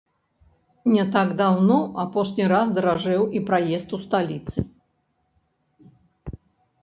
Не так даўно апошні раз даражэў і праезд у сталіцы.